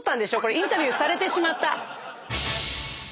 インタビューされてしまった。